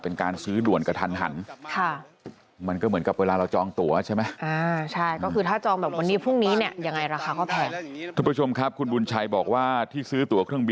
พอแล้วครับถ้ามาเมืองไทยก็อ่อนใจแล้วครับ